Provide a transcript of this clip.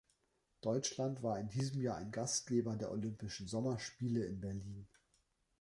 Deutschland war in diesem Jahr auch Gastgeber der Olympischen Sommerspiele in Berlin.